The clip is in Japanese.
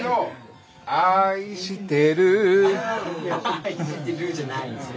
・「愛してる」じゃないんですよ。